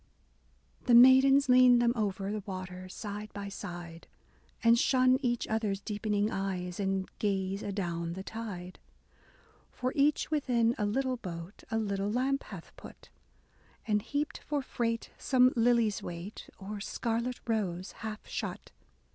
The Maidens lean them over The waters side by side, And shun each other's deepening eyes, And gaze adown the tide, — For each within a little boat A little lamp hath put, And heaped for freight some lily's weight, Or scarlet rose half shut.